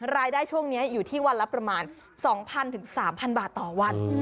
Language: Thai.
รายได้ช่วงนี้อยู่ที่วันละประมาณ๒๐๐๓๐๐บาทต่อวัน